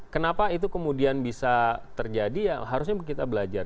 kenapa itu kemudian bisa terjadi ya harusnya kita belajar